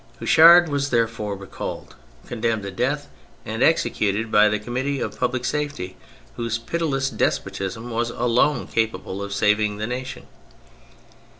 Houchard was therefore recalled, condemned to death, and executed by the Committee of Public Safety, whose pitiless despotism was alone capable of saving the nation.